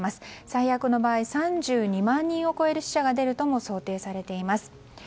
最悪の場合、３２万人を超える死者が出るとも想定されています。